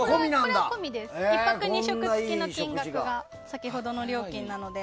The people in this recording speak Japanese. １泊２食付きの金額が先ほどの料金なので。